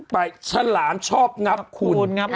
ไปฉลามชอบงับคุณ